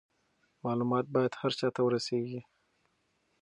معلومات باید هر چا ته ورسیږي.